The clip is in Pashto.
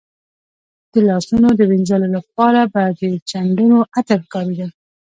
د لاسونو د وینځلو لپاره به د چندڼو عطر کارېدل.